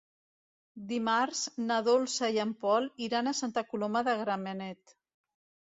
Dimarts na Dolça i en Pol iran a Santa Coloma de Gramenet.